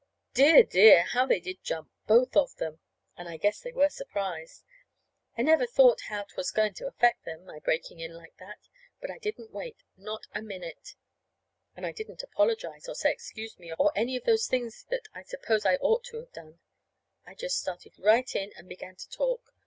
Dear, dear, but how they did jump both of them! And I guess they were surprised. I never thought how 'twas going to affect them my breaking in like that. But I didn't wait not a minute. And I didn't apologize, or say "Excuse me," or any of those things that I suppose I ought to have done. I just started right in and began to talk.